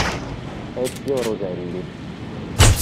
Ezio Roselli